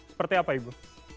seperti apa ibu